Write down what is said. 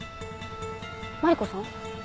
マリコさん？